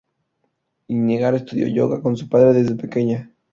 Iyengar estudió yoga con su padre desde pequeña.